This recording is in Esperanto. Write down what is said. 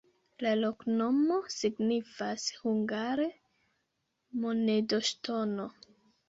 La loknomo signifas hungare: monedo-ŝtono.